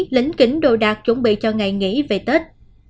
linh kính đồ đạc chuẩn bị cho ngày nghỉ về tết